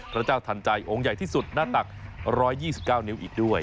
พระเจ้าทันใจองค์ใหญ่ที่สุดหน้าตัก๑๒๙นิ้วอีกด้วย